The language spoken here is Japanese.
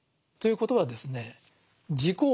ということはですね